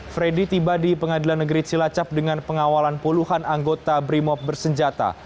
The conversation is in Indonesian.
freddy tiba di pengadilan negeri cilacap dengan pengawalan puluhan anggota brimob bersenjata